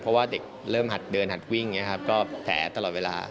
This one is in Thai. เพราะว่าเด็กเริ่มหัดเดินหัดวิ่งก็แผลตลอดเวลา